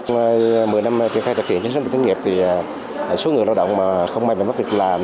mười năm trước khi thực hiện xí xách bảo hiểm thất nghiệp thì số người lao động mà không may mắn mất việc làm